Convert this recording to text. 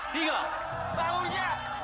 bajak mau mohon bajak